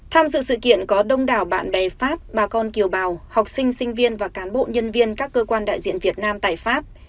tham dự sự kiện có đông đảo bạn bè pháp bà con kiều bào học sinh sinh viên và cán bộ nhân viên các cơ quan đại diện việt nam tại pháp